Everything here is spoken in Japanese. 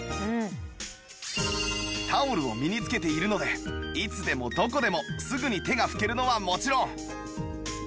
タオルを身につけているのでいつでもどこでもすぐに手が拭けるのはもちろん